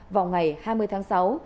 vào ngày hai mươi tháng sáu